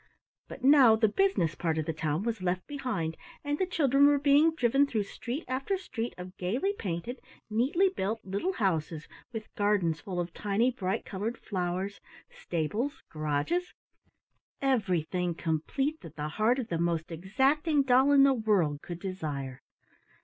But now the business part of the town was left behind, and the children were being driven through street after street of gaily painted, neatly built, little houses with gardens full of tiny bright colored flowers, stables, garages everything complete that the heart of the most exacting doll in the world could desire.